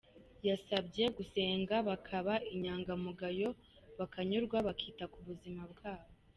Yasabye gusenga, bakaba inyangamugayo, bakanyurwa, bakita ku buzima bwabo.